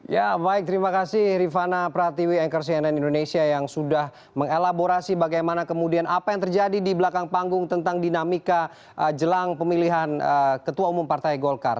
ya baik terima kasih rifana pratiwi anchor cnn indonesia yang sudah mengelaborasi bagaimana kemudian apa yang terjadi di belakang panggung tentang dinamika jelang pemilihan ketua umum partai golkar